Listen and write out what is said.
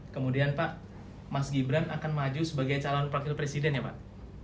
kemudian pak mas gibran akan maju sebagai calon wakil presiden ya pak